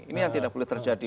ini yang tidak boleh terjadi